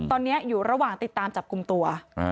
ตอนนี้อยู่ระหว่างติดตามจับกลุ่มตัว